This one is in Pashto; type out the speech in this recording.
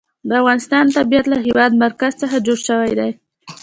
د افغانستان طبیعت له د هېواد مرکز څخه جوړ شوی دی.